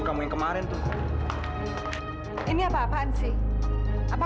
kamu beruntung ya